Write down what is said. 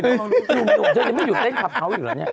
นี่มันอยู่เต้นขับเข้าอยู่หรอเนี่ย